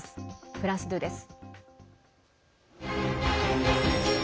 フランス２です。